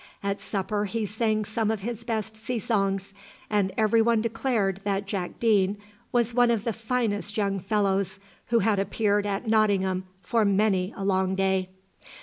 At supper he sang some of his best sea songs; and every one declared that Jack Deane was one of the finest young fellows who had appeared at Nottingham for many a long day.